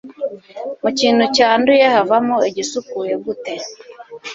mu kintu cyanduye havamo igisukuye gute